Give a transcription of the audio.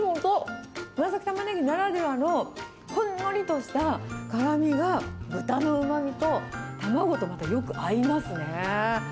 紫タマネギならではの、ほんのりとした辛みが豚のうまみと卵とまたよく合いますね。